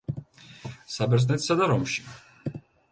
საბერძნეთსა და რომში.